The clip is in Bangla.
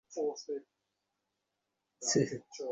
যাই হোক, আমি মিশনরীদের সম্পূর্ণ সাফল্য কামনা করি।